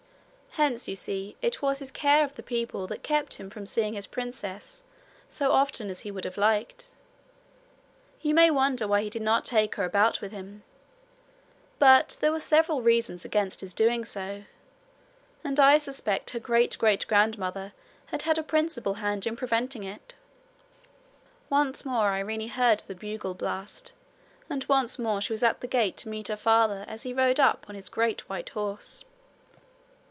Hence you see it was his care of the people that kept him from seeing his princess so often as he would have liked. You may wonder why he did not take her about with him; but there were several reasons against his doing so, and I suspect her great great grandmother had had a principal hand in preventing it. Once more Irene heard the bugle blast, and once more she was at the gate to meet her father as he rode up on his great white horse.